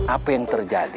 apa yang terjadi